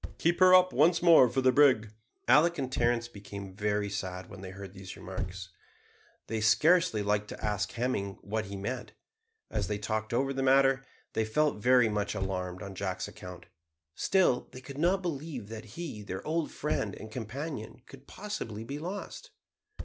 Keep her up once more for the brig." Alick and Terence became very sad when they heard these remarks. They scarcely liked to ask Hemming what he meant. As they talked over the matter, they felt very much alarmed on Jack's account. Still they could not believe that he, their old friend and companion, could possibly be lost.